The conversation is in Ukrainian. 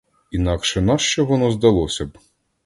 Інакше нащо воно здалося б?